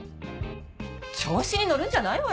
調子に乗るんじゃないわよ！